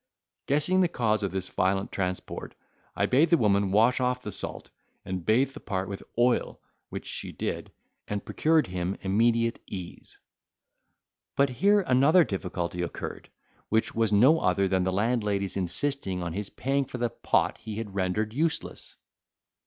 Guessing the cause of this violent transport, I bade the woman wash off the salt, and bathe the part with oil, which she did, and procured him immediate ease. But here another difficulty occurred, which was no other than the landlady's insisting on his paying for the pot he had rendered useless.